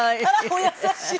お優しい。